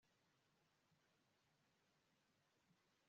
n'ikibindi kitaramenekera ku isōko